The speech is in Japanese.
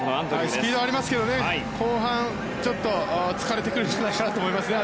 スピードありますが後半疲れてくると思いますね。